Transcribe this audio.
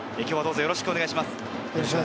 よろしくお願いします。